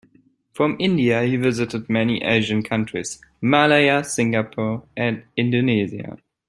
From India, he visited many Asian countries: Malaya, Singapore, and Indonesia.